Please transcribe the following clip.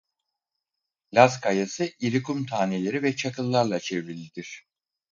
Laz Kayası iri kum taneleri ve çakıllarla çevrilidir.